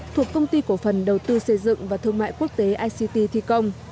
thuộc công ty cổ phần đầu tư xây dựng và thương mại quốc tế ict thi công